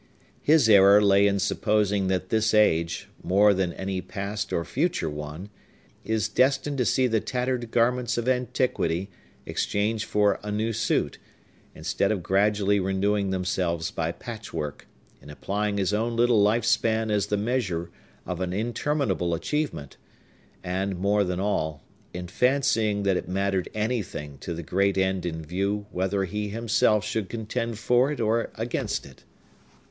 His error lay in supposing that this age, more than any past or future one, is destined to see the tattered garments of Antiquity exchanged for a new suit, instead of gradually renewing themselves by patchwork; in applying his own little life span as the measure of an interminable achievement; and, more than all, in fancying that it mattered anything to the great end in view whether he himself should contend for it or against it.